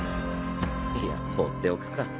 いや放っておくか。